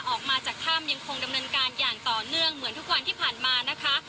ออกมาจากถ้ำยังคงดำเนินการอย่างต่อเนื่องเหมือนทุกวันที่ผ่านมานะคะ